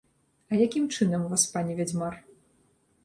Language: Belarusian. А якім чынам, васпане вядзьмар?